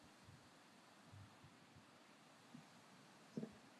The moves were later dropped in an effort to abate this criticism.